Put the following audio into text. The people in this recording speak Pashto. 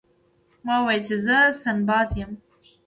ما وویل چې زه سنباد یم.